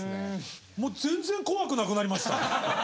もう全然怖くなくなりました。